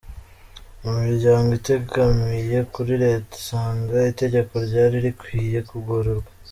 mu miryango itegamiye kuri Leta isanga itegeko ryari rikwiye kugororwa.